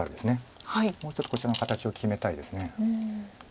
もうちょっとこちらの形を決めたいです。